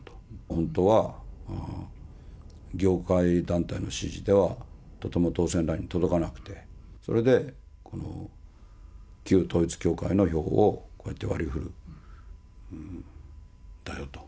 本当は、業界団体の支持では、とても当選ラインに届かなくて、それで、この旧統一教会の票を、こうやって割りふるんだよと。